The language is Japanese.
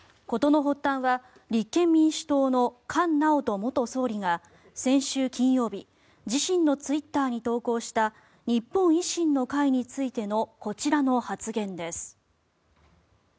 事の発端は立憲民主党の菅直人元総理が先週金曜日自身のツイッターに投稿した日本維新の会についてのこちらの発言です。